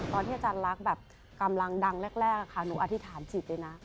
อาจารย์ลักษณ์แบบกำลังดังแรกค่ะหนูอธิษฐานจิตเลยนะ